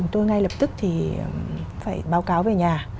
tôi ngay lập tức thì phải báo cáo về nhà